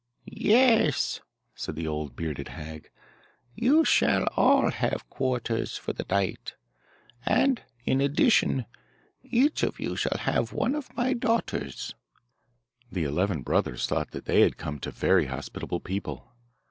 'Yes,' said the old, bearded hag, 'you shall all have quarters for the night, and, in addition, each of you shall have one of my daughters.' The eleven brothers thought that they had come to very hospitable people.